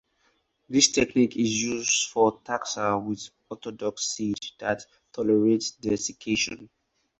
This technique is used for taxa with orthodox seeds that tolerate desiccation.